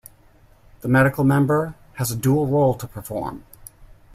The medical member has a dual role to perform.